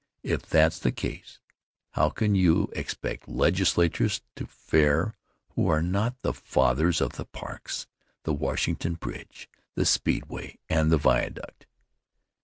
If that's the case, how can you expect legislators to fare who are not the fathers of the parks, the Washington Bridge, the Speedway and the Viaduct?